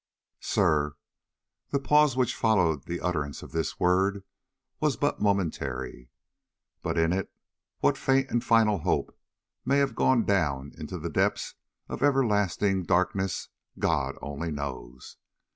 "Sir " The pause which followed the utterance of this one word was but momentary, but in it what faint and final hope may have gone down into the depths of everlasting darkness God only knows.